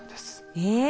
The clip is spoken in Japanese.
えっ。